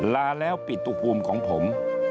ลาแล้วปิตุภูมิของผม